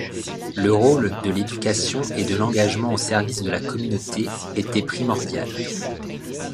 Le rôle de l’éducation et de l’engagement au service de la communauté était primordial.